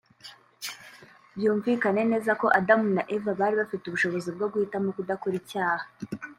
Byumvikane neza ko Adamu na Eva bari bafite ubushobozi bwo guhitamo kudakora icyaha